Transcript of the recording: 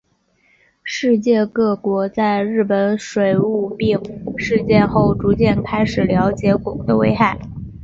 世界各国在日本水俣病事件后逐渐开始了解汞的危害。